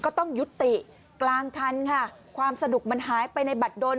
ก็ต้องยุติกลางคันค่ะความสนุกมันหายไปในบัตรดน